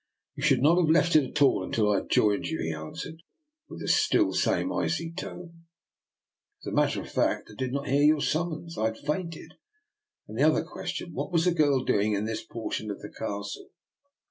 " You should not have left it at all until I had joined you," he answered, still in the same icy tone. " As a matter of fact, I did not hear your summons; I had fainted. And one other question. What was the girl doing in this portion of the Castle?